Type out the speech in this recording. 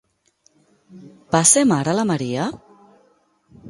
Va ser mare la María?